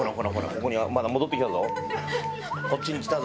ここにまた戻ってきたぞ。